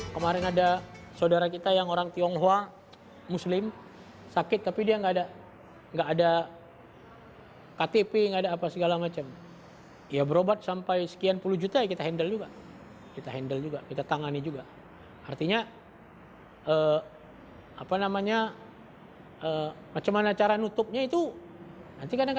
ketika berubah kemudian berubah